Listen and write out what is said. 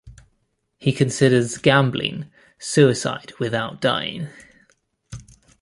He considers gambling "suicide without dying".